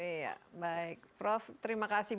iya baik prof terima kasih